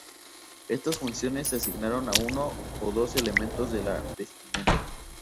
Estas funciones se asignaban a uno o dos elementos de la vestimenta.